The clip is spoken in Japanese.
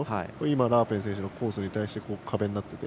ラープイェン選手のコースに対して壁になってて。